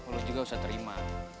lo juga bisa terima